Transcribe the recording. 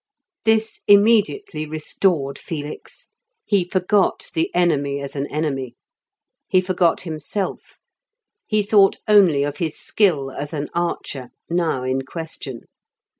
This immediately restored Felix; he forgot the enemy as an enemy, he forgot himself; he thought only of his skill as an archer, now in question.